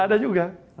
gak ada juga